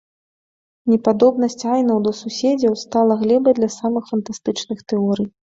Непадобнасць айнаў да суседзяў стала глебай для самых фантастычных тэорый.